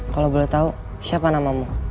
kalau boleh tahu siapa namamu